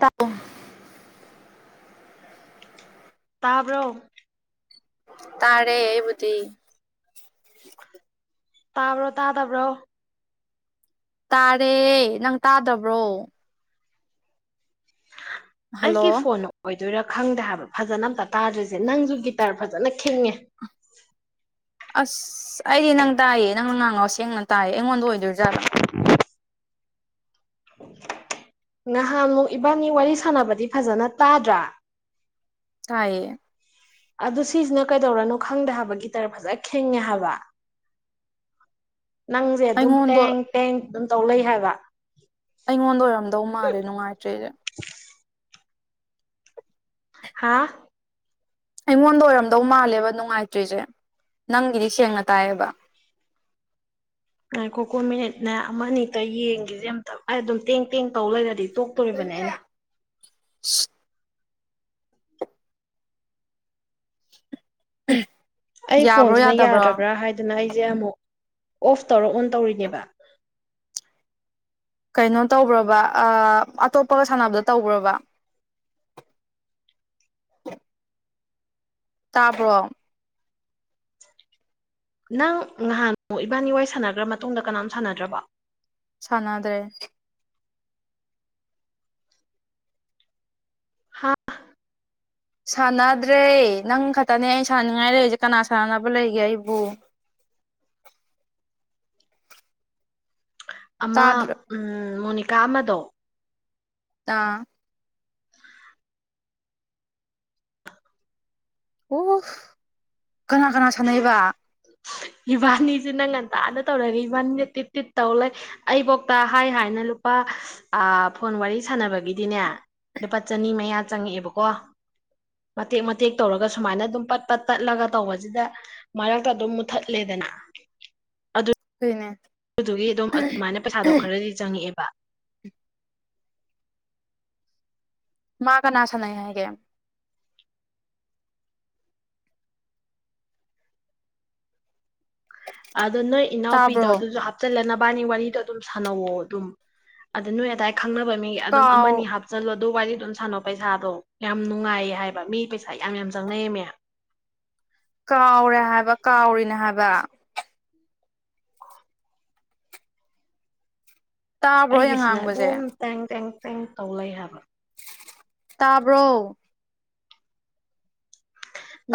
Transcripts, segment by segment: ꯇꯥꯎ ꯇꯥꯕꯣ ꯇꯥꯔꯦ ꯑꯩꯕꯨꯗꯤ ꯇꯥꯕ꯭ꯔꯣ ꯇꯥ ꯇꯥꯕ꯭ꯔꯣ ꯇꯥꯔꯦ ꯅꯪ ꯇꯥꯗꯕ꯭ꯔꯣ ꯑꯩꯒꯤ ꯍꯜꯂꯣ ꯐꯣꯟꯅ ꯑꯣꯏ ꯗꯣꯏꯔꯥ ꯈꯪꯗꯦ ꯍꯥꯏꯕ ꯐꯖꯅ ꯑꯝꯇ ꯇꯥꯗ꯭ꯔꯤꯁꯦ ꯅꯪꯁꯨ ꯒꯤꯇꯔ ꯐꯖꯅ ꯈꯤꯡꯉꯦ ꯑꯁ ꯑꯩꯗꯤ ꯅꯪ ꯇꯥꯏꯌꯦ ꯅꯪꯅ ꯉꯥꯡꯉ ꯁꯦꯡꯅ ꯇꯥꯏꯌꯦ ꯑꯩꯉꯣꯟꯗ ꯑꯣꯏꯗ꯭ꯔꯖꯥꯠꯂꯥ ꯅꯍꯥꯟ ꯃꯨꯛ ꯏꯕꯥꯅꯤ ꯋꯥꯔꯤ ꯁꯥꯟꯅꯕꯗꯤ ꯐꯖꯅ ꯇꯥꯗ꯭ꯔꯥ ꯇꯥꯏꯌꯦ ꯑꯗꯨ ꯁꯤꯁꯤꯅ ꯀꯩꯗꯧꯔꯅꯣ ꯈꯪꯗꯦ ꯍꯥꯏꯕ ꯒꯤꯇꯔ ꯐꯖ ꯈꯦꯡꯉꯦ ꯍꯥꯏꯕ ꯅꯪꯖꯦ ꯑꯗꯨꯝ ꯑꯩꯉꯣꯟꯗ ꯇꯦꯡ ꯇꯦꯡ ꯑꯗꯨꯝ ꯇꯧ ꯂꯩ ꯍꯥꯏꯕ ꯑꯩꯉꯣꯟꯗ ꯑꯣꯏꯔꯝꯗꯧ ꯃꯥꯜꯂꯦ ꯅꯨꯡꯉꯥꯏꯇ꯭ꯔꯤꯖꯦ ꯍꯥꯥ ꯑꯩꯉꯣꯟꯗ ꯑꯣꯏꯔꯝꯗꯧ ꯃꯥꯜꯂꯦꯕ ꯅꯨꯡꯉꯥꯏꯇ꯭ꯔꯤꯖꯦ ꯅꯪꯒꯤꯗꯤ ꯁꯦꯡꯅ ꯇꯥꯏꯌꯦꯕ ꯉꯥꯏꯈꯣꯀꯣ ꯃꯤꯅꯤꯠꯅꯦ ꯑꯃꯅꯤꯛꯇ ꯌꯦꯡꯒꯤꯁꯤ ꯑꯝꯇ ꯑꯗꯨꯝ ꯇꯦꯡ ꯇꯦꯡ ꯇꯧ ꯂꯩꯔꯗꯤ ꯇꯣꯛꯇꯣꯔꯤꯕꯅꯦ ꯑꯩꯅ ꯑꯟꯑꯣꯗꯤꯕꯜ ꯑ ꯑꯩ ꯐꯣꯟꯁꯤꯅ ꯌꯥꯗ꯭ꯔꯕ꯭ꯔꯥ ꯍꯥꯏꯗꯅ ꯑꯩ ꯇꯦ ꯑꯃꯛ ꯑꯣꯐ ꯇꯧꯔ ꯑꯣꯟ ꯇꯧꯔꯤꯅꯦꯕ ꯀꯩꯅꯣ ꯇꯧꯕ꯭ꯔꯕ ꯑ ꯑꯇꯣꯞꯄꯒ ꯁꯥꯟꯅꯕꯗ ꯇꯧꯕ꯭ꯔꯕ ꯇꯥꯕ꯭ꯔꯣ ꯅꯪ ꯅꯍꯥꯟꯃꯨꯛ ꯏꯕꯥꯅꯤ ꯋꯥꯏ ꯁꯥꯟꯅꯒ꯭ꯔ ꯃꯇꯨꯡꯗ ꯀꯅꯥꯝ ꯁꯥꯟꯅꯗ꯭ꯔꯕ ꯁꯥꯟꯅꯗ꯭ꯔꯦ ꯍꯥ ꯁꯥꯟꯅꯗ꯭ꯔꯦ ꯅꯪ ꯈꯇꯅꯦ ꯑꯩ ꯁꯥꯟꯅꯅꯤꯡꯉꯥꯏ ꯂꯩꯔꯤꯁꯦ ꯀꯅꯥ ꯁꯥꯟꯅꯕ ꯂꯩꯔꯤꯒꯦ ꯑꯩꯕꯨ ꯑꯃꯥ ꯇꯥꯗ꯭ꯔ ꯎꯝ ꯃꯣꯅꯤ ꯀꯥ ꯑꯃꯗꯣ ꯑꯥ ꯑꯣ ꯀꯅꯥ ꯀꯅꯥ ꯁꯥꯟꯅꯩꯕ ꯏꯕꯥꯅꯤꯁꯦ ꯅꯪ ꯉꯟꯇꯥꯗ ꯇꯧꯔꯒ ꯏꯕꯥꯅꯤꯅ ꯇꯤꯠ ꯇꯤꯠ ꯇꯧ ꯂꯩ ꯑꯩꯕꯣꯛꯇ ꯍꯥꯏ ꯍꯥꯏꯅ ꯂꯨꯄꯥ ꯑ ꯐꯣꯟ ꯋꯥꯔꯤ ꯁꯥꯟꯅꯕꯒꯤꯗꯤꯅꯦ ꯂꯨꯄꯥ ꯆꯅꯤ ꯃꯌꯥ ꯆꯪꯉꯛꯑꯦꯕꯀꯣ ꯃꯇꯦꯛ ꯃꯇꯦꯛ ꯇꯧꯔꯒ ꯁꯨꯃꯥꯏꯅ ꯑꯗꯨꯝ ꯄꯠ ꯄꯠ ꯇꯠꯂꯒ ꯇꯧꯕꯁꯤꯗ ꯃꯔꯛꯇ ꯑꯗꯨꯝ ꯃꯨꯊꯠꯂꯦꯗꯅ ꯑꯗꯨ ꯅꯦꯟ- ꯑꯗꯨꯒꯤ ꯑꯗꯨꯝ ꯑꯗꯨꯃꯥꯏꯅ ꯄꯩꯁꯥꯗꯣ ꯈꯔꯗꯤ ꯆꯪꯉꯛꯑꯦꯕ ꯃꯥ ꯀꯅꯥ ꯁꯥꯟꯅꯩ ꯍꯥꯏꯒꯦ ꯑꯗꯣ ꯅꯣꯏ ꯏꯅꯥꯎꯄꯤꯗꯣ ꯇꯥꯕ꯭ꯔꯣ ꯑꯗꯨꯁꯨ ꯍꯥꯞꯆꯤꯜꯂꯅ ꯕꯥꯅꯤ ꯋꯥꯔꯤꯗꯣ ꯑꯗꯨꯝ ꯁꯥꯟꯅꯧꯑꯣ ꯑꯗꯨꯝ ꯑꯗ ꯅꯣꯏ ꯑꯗꯥꯏ ꯈꯪꯅꯕ ꯃꯤ ꯑꯗꯨꯝ ꯀꯥꯎ ꯑꯃꯅꯤ ꯍꯥꯞꯆꯜꯂꯣ ꯑꯗꯨ ꯋꯥꯔꯤꯗꯨꯝ ꯁꯥꯟꯅꯧ ꯄꯩꯁꯥꯗꯣ ꯌꯥꯝ ꯅꯨꯡꯉꯥꯏꯌꯦ ꯍꯥꯏꯕ ꯃꯤ ꯄꯩꯁꯥ ꯌꯥꯝ ꯌꯥꯝ ꯆꯪꯅꯩꯌꯦꯝꯅꯦ ꯋꯥ ꯇꯥꯕ꯭ꯔꯣ ꯑꯩꯅ ꯑꯩꯒꯤꯁꯤꯅ ꯉꯥꯡꯕꯁꯦ ꯑꯗꯨꯝ ꯇꯦꯡ ꯇꯦꯡ ꯇꯦꯡ ꯇꯧ ꯂꯩ ꯍꯥꯏꯕ ꯇꯥꯕ꯭ꯔꯣ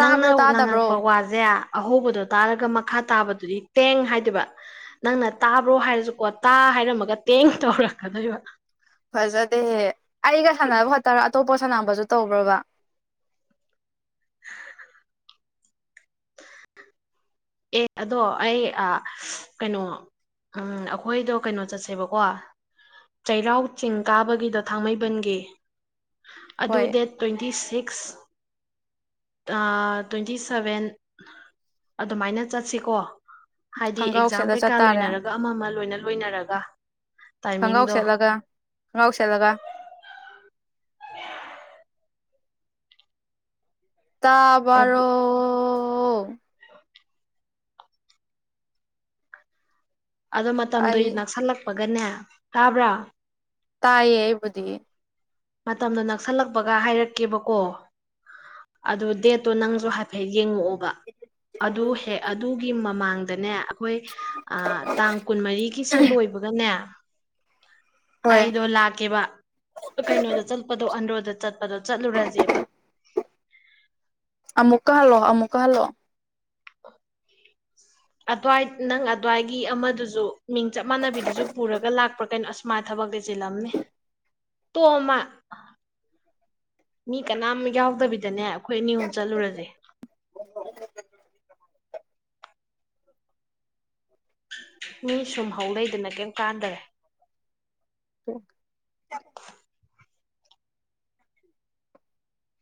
ꯅꯪꯅ ꯇꯥꯗꯕ꯭ꯔꯣ ꯉꯥꯡꯉꯛꯄ ꯋꯥꯖꯦ ꯑꯍꯧꯕꯗꯣ ꯇꯥꯔꯒ ꯃꯈꯥ ꯇꯥꯕꯗꯨꯗꯤ ꯇꯦꯡ ꯍꯥꯏꯗꯣꯏꯕ ꯅꯪꯅ ꯇꯥꯕ꯭ꯔꯣ ꯍꯥꯏꯔꯁꯨꯀꯣ ꯇꯥ ꯍꯥꯏꯔꯝꯃꯒ ꯇꯦꯡ ꯇꯧꯔꯛꯀꯗꯣꯏꯕ ꯐꯖꯗꯦꯍ ꯑꯩꯒ ꯁꯥꯟꯅꯕ ꯈꯣꯠꯇꯔ ꯑꯇꯣꯞꯄ ꯁꯥꯟꯅꯥꯝꯕꯁꯨ ꯇꯧꯕ꯭ꯔꯕ ꯑꯦ ꯑꯗꯣ ꯑꯩ ꯀꯩꯅꯣ ꯑꯩꯈꯣꯏꯗꯣ ꯀꯩꯅꯣ ꯆꯠꯁꯦꯕꯀꯣ ꯆꯩꯔꯥꯎ ꯆꯤꯡ ꯀꯥꯕꯒꯤꯗꯣ ꯊꯥꯡꯃꯩꯕꯟꯒꯤ ꯑꯗꯨ ꯍꯣꯏ ꯗꯦꯠ ꯇ꯭ꯋꯦꯟꯇꯤ ꯁꯤꯛꯁ ꯑ ꯇ꯭ꯋꯦꯟꯇꯤ ꯁꯚꯦꯟ ꯑꯗꯨꯃꯥꯏꯅ ꯆꯠꯁꯤꯀꯣ ꯍꯥꯏꯗꯤ ꯈꯣꯡꯒ꯭ꯔꯥꯎ ꯑꯦꯛꯖꯥꯝ ꯁꯦꯠꯂ ꯀꯩꯀꯥ ꯆꯠꯇꯥꯔꯦ ꯂꯣꯏꯅꯔꯒ ꯑꯃ ꯑꯃ ꯂꯣꯏꯅ ꯂꯣꯏꯅꯔꯒ ꯈꯣꯡꯒ꯭ꯔꯥꯎ ꯇꯥꯏꯃꯤꯡꯗꯣ ꯁꯦꯠꯂꯒ ꯈꯣꯡꯒ꯭ꯔꯥꯎ ꯁꯦꯠꯂꯒ ꯇꯥꯕꯔꯣ ꯑꯗꯨ ꯑꯣ ꯑꯗꯣ ꯃꯇꯝꯗꯣ ꯑꯩ ꯅꯛꯁꯜꯂꯛꯄ ꯐꯒꯅꯦ ꯇꯥꯕ꯭ꯔꯥ ꯇꯥꯏꯌꯦꯦꯕꯨꯗꯤ ꯃꯇꯝꯗꯣ ꯅꯛꯁꯜꯂꯛꯄꯒ ꯍꯥꯏꯔꯛꯀꯦꯕꯀꯣ ꯑꯗꯨ ꯗꯦꯠꯇꯣ ꯅꯪꯁꯨ ꯍꯥꯏꯐꯦꯠ ꯌꯦꯡꯉꯛꯑꯣ ꯒꯤ ꯃꯃꯥꯡ ꯑꯗꯨꯅꯦ ꯑꯩꯈꯣꯏ ꯇꯥꯡ ꯀꯨꯟꯃꯔꯤꯒꯤꯁꯦ ꯂꯣꯏꯕꯒꯅꯦ ꯍꯣꯏ ꯑꯩꯗꯣ ꯂꯥꯛꯀꯦꯕ ꯀꯩꯅꯣꯗ ꯆꯠꯄꯗꯣ ꯑꯟꯗ꯭ꯔꯣꯗ ꯆꯠꯄꯗꯣ ꯆꯠꯂꯨꯔꯁꯦꯕ ꯑꯃꯨꯛꯀꯥꯍꯜꯂꯣ ꯑꯃꯨꯛꯀꯥꯍꯜꯂꯣ ꯑꯗꯨꯋꯥꯏ ꯅꯪ ꯑꯗꯨꯋꯥꯏꯒꯤ ꯑꯃꯗꯨꯁꯨ ꯃꯤꯡ ꯆꯞ ꯃꯥꯟꯅꯕꯤꯗꯨꯁꯨ ꯄꯨꯔꯒ ꯂꯥꯛꯄ꯭ꯔꯥ ꯀꯩꯅꯣ ꯑꯁꯨꯃꯥꯏꯅ ꯊꯕꯛꯇꯤ ꯆꯤꯜꯂꯝꯅꯤ ꯇꯣꯃ ꯃꯤ ꯀꯅꯥꯝ ꯌꯥꯎꯗꯕꯤꯗꯅꯦ ꯑꯩꯈꯣꯏ ꯑꯅꯤ ꯑꯍꯨꯝ ꯆꯠꯂꯨꯔꯁꯦ [unintelligible] ꯃꯤ ꯁꯨꯝꯍꯧ ꯂꯩꯗꯅ ꯀꯩꯝ ꯀꯥꯟꯗꯔꯦ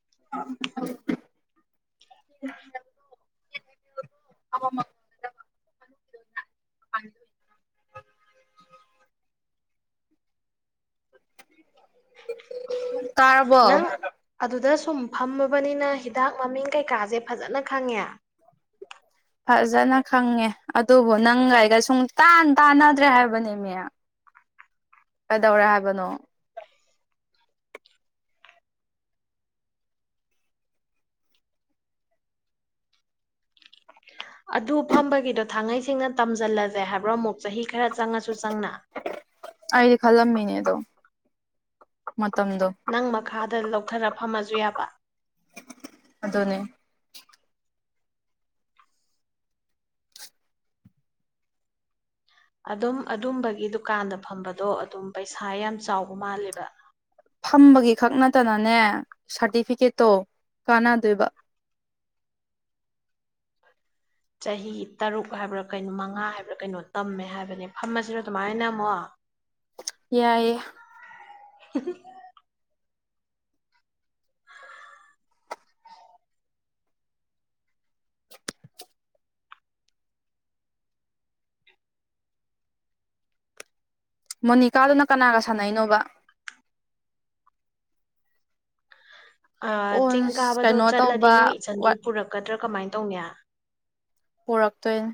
[unintelligible] ꯇꯥꯔꯔꯕꯣ ꯅꯪ ꯑꯗꯨꯗ ꯁꯨꯝ ꯐꯝꯃꯕꯅꯤꯅ ꯍꯤꯗꯥꯛ ꯃꯃꯤꯡ ꯀꯩꯀꯥꯁꯦ ꯐꯖꯅ ꯈꯪꯉꯦ ꯐꯖꯅ ꯈꯪꯉꯦ ꯑꯗꯨꯕꯨ ꯅꯪꯒꯒ ꯁꯨꯡ ꯇꯥꯟ ꯇꯥꯟꯅꯗ꯭ꯔꯦ ꯍꯥꯏꯕꯅꯦꯃꯦ ꯀꯩꯗꯧꯔꯦ ꯍꯥꯏꯕꯅꯣ ꯑꯗꯨ ꯐꯝꯕꯒꯤꯗꯣ ꯊꯥꯡꯉꯩꯁꯤꯡꯅ ꯇꯝꯁꯤꯜꯂꯁꯦ ꯍꯥꯏꯕ꯭ꯔꯣ ꯑꯃꯨꯛ ꯆꯍꯤ ꯈꯔ ꯆꯪꯉꯁꯨ ꯆꯪꯅ ꯑꯩꯗꯤ ꯈꯜꯂꯝꯃꯤꯅꯦꯗꯣ ꯅꯪ ꯃꯈꯥꯗ ꯂꯧꯊꯔ ꯐꯝꯃꯁꯨ ꯌꯥꯕ ꯑꯗꯨꯗꯣꯅꯦ ꯑꯗꯨꯝ ꯑꯗꯨꯝꯕꯒꯤ ꯗꯨꯀꯥꯟꯗ ꯐꯝꯕꯗꯣ ꯑꯗꯨꯝ ꯄꯩꯁꯥ ꯌꯥꯝ ꯆꯥꯎꯕ ꯃꯥꯜꯂꯦꯕ ꯊꯝꯕꯒꯤ ꯈꯛ ꯅꯠꯇꯅꯅꯦ ꯁꯥꯔꯇꯤꯐꯤꯀꯦꯠꯇꯣ ꯀꯥꯟꯅꯗꯣꯏꯕ ꯆꯍꯤ ꯇꯔꯨꯛ ꯍꯥꯏꯕ꯭ꯔꯥ ꯀꯩꯅꯣ ꯃꯉꯥ ꯍꯥꯏꯕ꯭ꯔꯥ ꯀꯩꯅꯣ ꯇꯝꯃꯦ ꯍꯥꯏꯕꯅꯦ ꯐꯝꯃꯁꯤꯔ ꯑꯗꯨꯃꯥꯏꯅ ꯑꯃꯣ ꯌꯥꯑꯌꯦ ꯀ [unintelligible] ꯃꯣꯅꯤꯀꯥꯗꯨꯅ ꯀꯅꯥꯒ ꯁꯥꯟꯅꯅꯣꯕ ꯑ ꯑꯣ ꯆꯤꯡ ꯀꯥꯕꯗꯣ ꯀꯩꯅꯣ ꯆꯠꯂꯗꯤ ꯇꯧꯕ ꯅꯣꯏ ꯏꯆꯟꯁꯨ ꯄꯨꯔꯛꯀꯗ꯭ꯔꯥ ꯀꯃꯥꯏꯅ ꯇꯧꯅꯤ ꯄꯨꯔꯛꯇꯣꯏꯅꯤ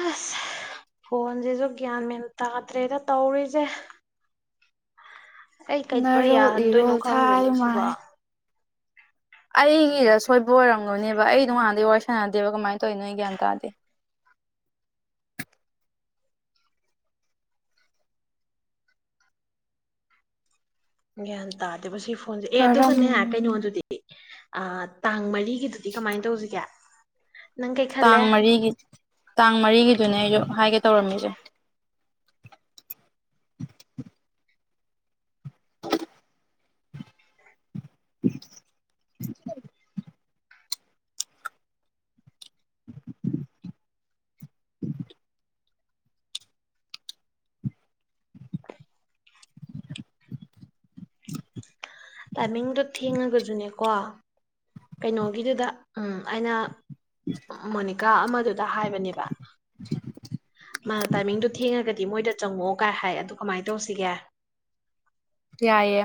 ꯑꯁ ꯐꯣꯟꯁꯤꯁꯨ ꯒ꯭ꯌꯥꯟ ꯃꯦꯟ ꯇꯥꯗ꯭ꯔꯦꯗ ꯇꯧꯔꯤꯁꯦ ꯑꯩ ꯀꯩꯗꯧꯔ ꯅꯔꯣꯜ ꯌꯥꯍꯟꯗꯣꯏꯅꯣ ꯏꯔꯣꯜ ꯊꯥꯏ ꯈꯪꯗꯣꯏꯅꯦ ꯁꯤꯕꯣ ꯃꯥꯏ ꯑꯩꯒꯤꯗ ꯁꯣꯏꯕ ꯑꯣꯏꯔꯝꯒꯅꯦꯕ ꯑꯩ ꯅꯣꯡꯉꯥꯟꯗꯤꯩ ꯋꯥꯔꯤ ꯁꯥꯟꯅꯗꯦꯕ ꯀꯃꯥꯏꯅ ꯇꯧꯋꯤ ꯅꯣꯏ ꯒ꯭ꯌꯥꯟ ꯇꯥꯗꯤ ꯌꯥ ꯇꯥꯗ ꯑꯦ ꯀꯔꯝ ꯑꯗꯨꯒꯅꯦ ꯀꯩꯅꯣ ꯑꯗꯨꯗꯤ ꯇꯥꯡ ꯃꯔꯤꯒꯤꯗ ꯑꯗꯨꯗꯤ ꯀꯃꯥꯏꯅ ꯇꯧꯁꯤꯒꯦ ꯅꯪ ꯀꯩ ꯇꯥꯡ ꯈꯜꯂꯦ ꯃꯔꯤꯒꯤ ꯇꯥꯡ ꯃꯔꯤꯒꯤꯗꯨꯅꯦ ꯑꯩꯁꯨ ꯍꯥꯏꯒꯦ ꯇꯧꯔꯝꯃꯤꯁꯦ [unintelligible] [unintelligible] [unintelligible] ꯇꯥꯏꯃꯤꯡꯗꯣ ꯊꯦꯡꯉꯒꯁꯨꯅꯦꯀꯣ ꯀꯩꯅꯣꯒꯤꯗꯨꯗ ꯎꯝ ꯑꯩꯅ ꯃꯣꯅꯤꯀꯥ ꯑꯃꯗꯨꯗ ꯍꯥꯏꯕꯅꯦꯕ ꯃꯥꯅ ꯇꯥꯏꯃꯤꯡꯗꯨ ꯊꯦꯡꯉꯒꯗꯤ ꯃꯣꯏꯗ ꯆꯪꯉꯛꯑꯣ ꯀꯥꯏ ꯍꯥꯏ ꯑꯗꯨ ꯀꯃꯥꯏꯅ ꯇꯧꯁꯤꯒꯦ ꯀꯏꯌꯦꯦ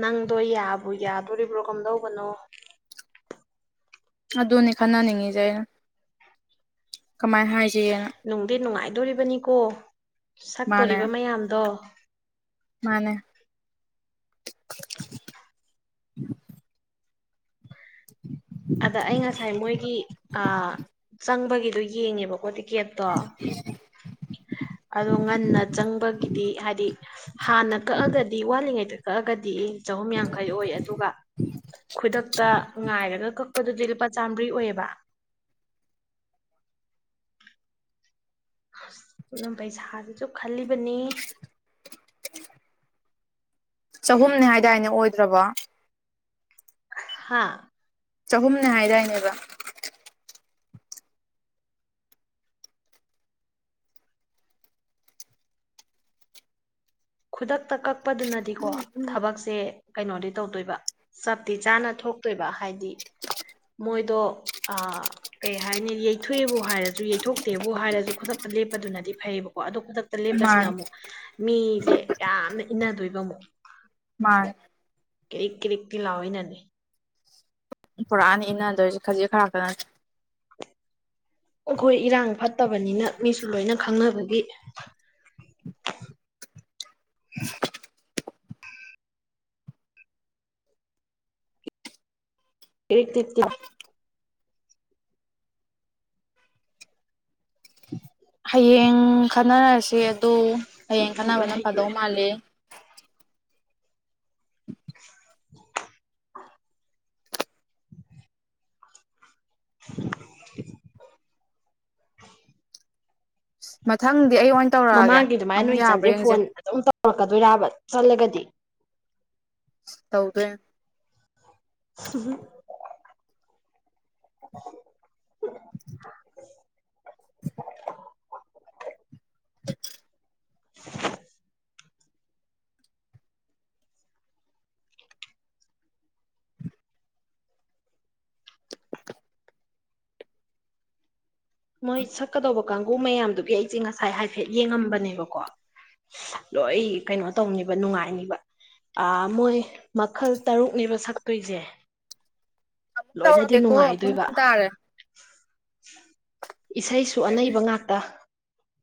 ꯅꯪꯗꯣ ꯌꯥꯕꯨ ꯌꯥꯗꯣꯔꯤꯕ꯭ꯔꯣ ꯀꯝꯗꯧ ꯀꯅꯣ ꯑꯗꯨꯅꯤ ꯈꯟꯅꯅꯤꯡꯉꯤꯁꯦ ꯑꯩꯅ ꯀꯃꯥꯏꯅ ꯍꯥꯏꯖꯒꯦꯅ ꯗꯣꯔꯤꯕꯅꯤ ꯀꯧꯕ ꯁꯛꯇꯣꯔꯤꯕ ꯃꯌꯥꯝꯗꯣ ꯃꯥꯅꯦ ꯑꯗ ꯑꯩ ꯉꯁꯥꯏ ꯃꯣꯏꯒꯤ ꯑ ꯆꯪꯕꯒꯤꯗꯣ ꯌꯦꯡꯉꯦꯕꯀꯣ ꯀꯦꯞꯇꯣ ꯑꯗꯣ ꯉꯟꯅ ꯆꯪꯕꯒꯤꯗꯤ ꯍꯥꯏꯗꯤ ꯍꯥꯟꯅ ꯀꯛꯑꯒꯗꯤ ꯋꯥꯠꯂꯤꯉꯩꯗ ꯀꯒꯗꯤ ꯆꯍꯨꯝ ꯌꯥꯡꯈꯩ ꯑꯣꯏ ꯑꯗꯨꯒ ꯈꯨꯗꯛꯇ ꯉꯥꯏꯔꯒꯛ ꯂꯄꯗꯨꯗꯤ ꯂꯨꯄꯥ ꯆꯥꯝꯃꯔꯤ ꯑꯣꯏꯌꯦꯕ ꯑꯁꯅ ꯄꯩꯁꯥꯗꯨꯁꯨ ꯈꯜꯂꯤꯕꯅꯤ ꯆꯍꯨꯝꯅꯦ ꯍꯥꯏꯗꯥꯏꯅꯦ ꯑꯣꯏꯗ꯭ꯔꯕ ꯍꯥꯥ ꯆꯍꯨꯝꯅꯦ ꯍꯥꯏꯗꯥꯏꯅꯦꯕ ꯈꯨꯗꯛꯇ ꯀꯛꯄꯗꯨꯅꯗꯤꯀꯣ ꯊꯕꯛꯁꯦ ꯀꯩꯅꯣꯗꯤ ꯇꯧꯗꯣꯏꯕ ꯆꯞꯇꯤ ꯆꯥꯅ ꯊꯣꯛꯇꯣꯏꯕ ꯍꯥꯏꯗꯤ ꯃꯣꯏꯗꯣ ꯀꯩ ꯍꯥꯏꯅꯤ ꯌꯩꯊꯣꯛꯑꯦꯕꯨ ꯍꯥꯏꯔꯁꯨ ꯌꯩꯊꯣꯛꯇꯦꯕꯨ ꯍꯥꯏꯔꯁꯨ ꯈꯨꯗꯛꯇ ꯂꯦꯞꯄꯗꯨꯅꯗꯤ ꯐꯩꯌꯦꯕꯀꯣ ꯑꯗꯣ ꯈꯨꯗ ꯃꯥꯅꯦ ꯁꯂꯕꯁꯅꯥꯃꯣ ꯃꯤ ꯖꯦ ꯌꯥꯝꯅ ꯏꯟꯅꯗꯣꯏꯕ ꯑꯃꯨꯛ ꯃꯥꯅ ꯀꯔꯤꯛ ꯀꯔꯤꯛꯇ ꯂꯥꯑꯣ ꯅꯅꯤ ꯄꯨꯔꯛꯑꯅꯤ ꯏꯟꯅꯗꯣꯏꯁꯦ ꯈꯖꯤꯛ ꯈꯔ ꯈꯅꯁꯤ ꯑꯩꯈꯣꯏ ꯏꯔꯥꯡ ꯐꯠꯇꯕꯅꯤꯅ ꯃꯤꯁꯨ ꯂꯣꯏꯅ ꯈꯡꯅꯕꯒꯤ ꯀꯔꯤꯛ ꯀꯔꯤꯛꯇ ꯂꯥꯑꯣ ꯍꯌꯦꯡ ꯈꯟꯅꯔꯁꯦ ꯑꯗꯨ ꯍꯌꯦꯡ ꯁꯤꯁꯨ ꯂꯣꯏ ꯀꯥꯟꯅꯕꯅ ꯐꯗꯧ ꯍꯩꯗꯣꯛꯑꯦ ꯃꯥꯂꯦ [inaudible] [inaudible] ꯃꯊꯡ ꯃꯃꯥꯡꯒꯤ ꯑꯗꯨꯃꯥꯏꯅ ꯅꯣꯏ ꯏꯆꯟꯁꯦ ꯐꯣꯟ ꯑꯗꯨꯝ ꯇꯧꯔꯛꯀꯗꯣꯏꯔꯕ ꯆꯜꯂꯒꯗꯤ ꯇꯧꯗꯦꯝ ꯍꯨꯝ ꯍꯨꯝ [inaudible] [inaudible] [inaudible] ꯃꯣꯏ ꯁꯛꯀꯗꯧꯕ ꯀꯥꯡꯒꯨ ꯃꯌꯥꯝꯗꯨꯒꯤ ꯑꯩꯁꯦ ꯉꯁꯥꯏ ꯍꯥꯏꯐꯦꯠ ꯌꯦꯡꯉꯝꯕꯅꯦꯕꯀꯣ ꯂꯣꯏ ꯀꯩꯅꯣ ꯇꯧꯅꯤꯕ ꯅꯨꯡꯉꯥꯏꯅꯤꯕ ꯑ ꯃꯣꯏ ꯃꯈꯜ ꯇꯔꯨꯛꯅꯦꯕ ꯁꯛꯇꯣꯏꯁꯦ ꯑꯃꯨꯛ ꯂꯣꯏꯅꯗꯤ ꯇꯧꯔꯛꯀꯦꯀꯣꯨꯝ ꯅꯨꯡꯉꯥꯏꯗꯣꯏꯕ ꯇꯥꯔꯦ [inaudible] ꯏꯁꯩꯁꯨ ꯑꯅꯩꯕ ꯉꯥꯛꯇ